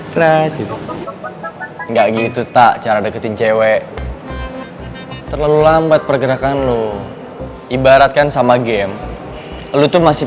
tidak gitu tak cara deketin cewek terlalu lambat pergerakan lo ibaratkan sama game lu tuh masih